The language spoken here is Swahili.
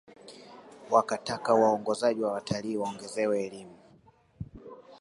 Wakataka waongozaji wa watalii waongezewe elimu